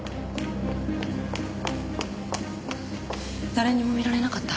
誰にも見られなかった？